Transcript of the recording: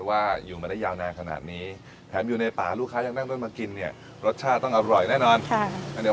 ว่าทำอย่างไรในเนื้อมาได้ยาวหนาขนาดนี้